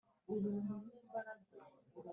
iki gikorwa cyo guhugura abakina filime